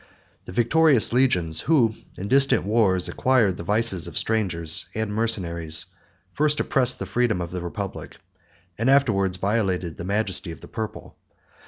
The victorious legions, who, in distant wars, acquired the vices of strangers and mercenaries, first oppressed the freedom of the republic, and afterwards violated the majesty of the purple.